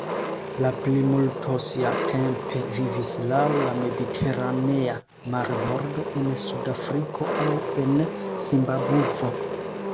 La plimulto siatempe vivis laŭ la mediteranea marbordo, en Sudafriko, aŭ en Zimbabvo.